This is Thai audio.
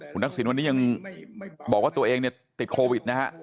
คุณนักศิลป์วันนี้บอกว่าตัวเองในติดโควิดนะ